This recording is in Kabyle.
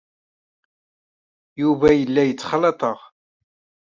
Yuba yella yettxalaḍ-aɣ.